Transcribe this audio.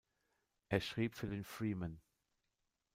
Er schrieb für den "Freeman".